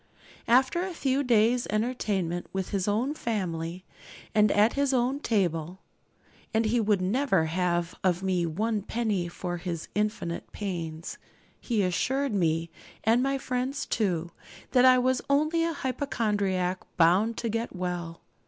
After a few days' entertainment with his own family, and at his own table and he would never have of me one penny for his infinite pains he assured me, and my friends too, that I was only a hypochondriac bound to get well.